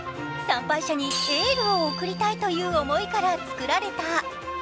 参拝者にエールを送りたいという思いから作られた。